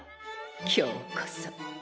今日こそ！